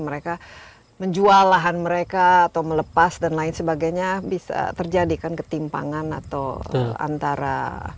mereka menjual lahan mereka atau melepas dan lain sebagainya bisa terjadi kan ketimpangan atau antara